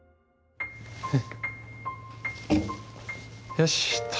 よしっと。